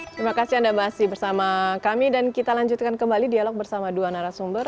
terima kasih anda masih bersama kami dan kita lanjutkan kembali dialog bersama dua narasumber